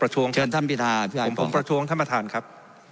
เชิญท่านพิธาผมประท้วงท่านประธานครับ